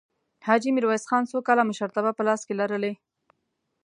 حاجي میرویس خان څو کاله مشرتابه په لاس کې لرلې؟